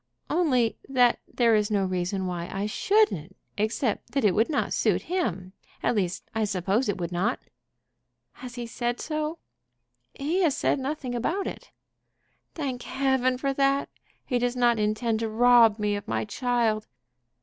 "Only that there is no reason why I shouldn't, except that it would not suit him. At least I suppose it would not." "Has he said so?" "He has said nothing about it." "Thank Heaven for that! He does not intend to rob me of my child."